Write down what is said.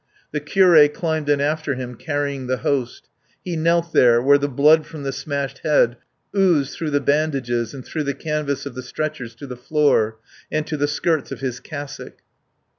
The curé climbed in after him, carrying the Host. He knelt there, where the blood from the smashed head oozed through the bandages and through the canvas of the stretchers to the floor and to the skirts of his cassock.